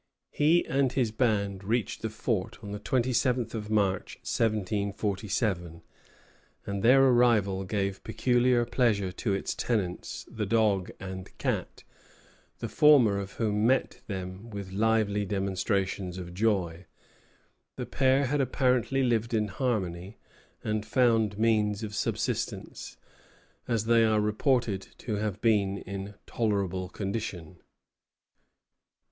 He and his band reached the fort on the 27th of March, 1747, and their arrival gave peculiar pleasure to its tenants, the dog and cat, the former of whom met them with lively demonstrations of joy. The pair had apparently lived in harmony, and found means of subsistence, as they are reported to have been in tolerable condition.